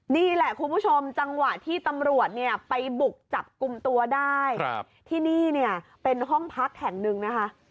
นี่แหละคุณผู้ชมจังหวะที่ตำรวจเนี่ยไปบุกจับกลุ่มตัวได้ที่นี่เนี่ยเป็นห้องพักแห่งหนึ่งนะคะ